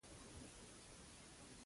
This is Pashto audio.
نوموړي دغه نظریه رامنځته کړه.